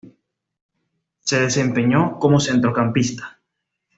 Se desempeñó como centrocampista.